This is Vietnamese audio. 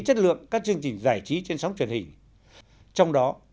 chất lượng các chương trình giải trí trên sóng truyền hình trong đó